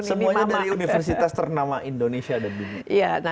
semuanya dari universitas ternama indonesia